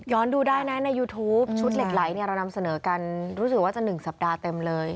ดูได้นะในยูทูปชุดเหล็กไหลเนี่ยเรานำเสนอกันรู้สึกว่าจะ๑สัปดาห์เต็มเลย